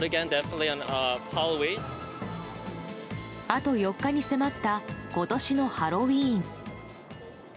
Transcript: あと４日に迫った今年のハロウィーン。